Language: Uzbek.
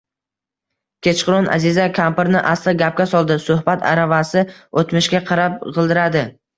Kechqurun Аziza kampirni asta gapga soldi. Suhbat aravasi oʼtmishga qarab gʼildiradi.